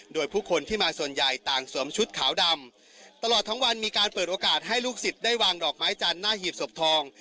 โดยผู้คนที่มาส่วนใหญ่ต่างสวมชุดขาวดำตลอดทั้งวันมีการเปิดโอกาสให้ลูกศิษย์ได้วางดอกไม้จันทร์หน้าหีบศพทอง